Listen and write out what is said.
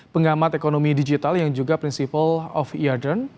pengamat ekonomi digital yang juga principle of yerdon